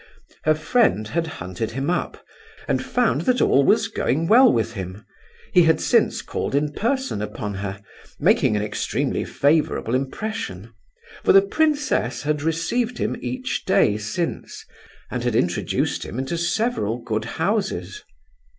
Her friend had hunted him up, and found that all was going well with him. He had since called in person upon her, making an extremely favourable impression, for the princess had received him each day since, and had introduced him into several good houses.